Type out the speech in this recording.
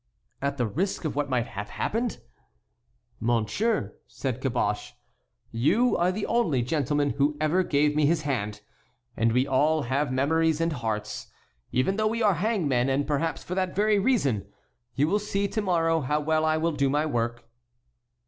"At the risk of what might have happened?" "Monsieur," said Caboche, "you are the only gentleman who ever gave me his hand, and we all have memories and hearts, even though we are hangmen, and perhaps for that very reason. You will see to morrow how well I will do my work."